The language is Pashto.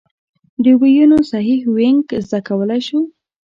د ویونو صحیح وینګ زده کولای شو.